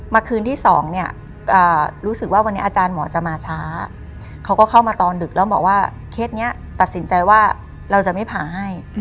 คืนที่๒เนี่ยรู้สึกว่าวันนี้อาจารย์หมอจะมาช้าเขาก็เข้ามาตอนดึกแล้วบอกว่าเคสนี้ตัดสินใจว่าเราจะไม่ผ่าให้